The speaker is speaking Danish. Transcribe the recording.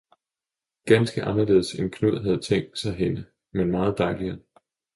ganske anderledes end Knud havde tænkt sig hende, men meget dejligere!